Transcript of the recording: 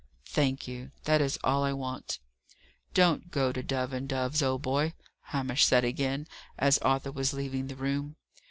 "Thank you; that is all I want." "Don't go to Dove and Dove's, old boy," Hamish said again, as Arthur was leaving the room.